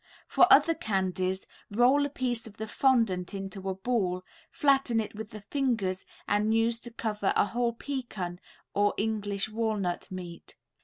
For other candies, roll a piece of the fondant into a ball, flatten it with the fingers and use to cover a whole pecan or English walnut meat.